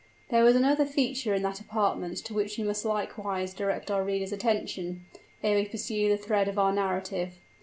_" There was another feature in that apartment to which we must likewise direct our reader's attention, ere we pursue the thread of our narrative.